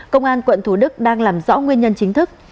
công an quận thủ đức đang làm rõ nguyên nhân chính thức